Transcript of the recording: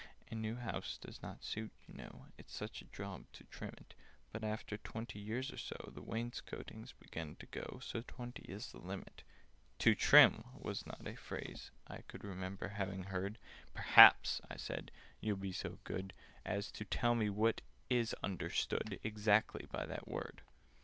"A new house does not suit, you know— It's such a job to trim it: But, after twenty years or so, The wainscotings begin to go, So twenty is the limit." "To trim" was not a phrase I could Remember having heard: "Perhaps," I said, "you'll be so good As tell me what is understood Exactly by that word?"